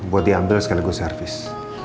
buat diambil sekali gue servis